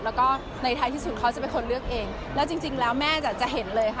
แล้วก็ในท้ายที่สุดเขาจะเป็นคนเลือกเองแล้วจริงจริงแล้วแม่จะจะเห็นเลยค่ะ